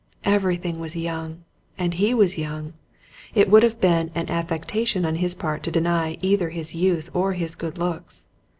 Everything was young. And he was young. It would have been affectation on his part to deny either his youth or his good looks.